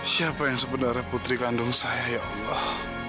siapa yang sebenarnya putri kandung saya ya allah